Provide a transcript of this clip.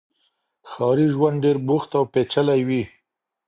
ښاري ژوند ډېر بوخت او پېچلی وي.